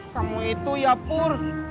kamu itu ya pur